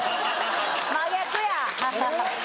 真逆や。